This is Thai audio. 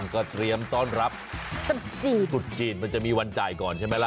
ก็เตรียมต้อนรับตุ๊ดจีนตรุษจีนมันจะมีวันจ่ายก่อนใช่ไหมล่ะ